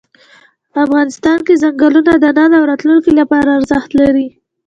افغانستان کې چنګلونه د نن او راتلونکي لپاره ارزښت لري.